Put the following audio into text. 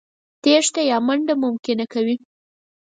تېښته يا منډه ممکنه کوي.